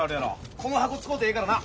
この箱使うてええからな。